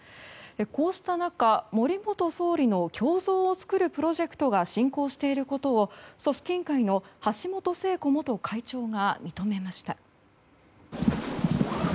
こうした中、森元総理の胸像を作るプロジェクトが進行していることを組織委員会の橋本聖子元会長が認めました。